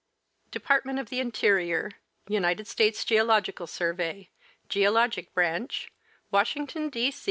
Department of the Interior, United States Geological Survey, Geologic Branch, Washington, D.